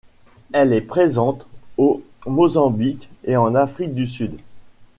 Elle est présente au Mozambique et en Afrique du Sud.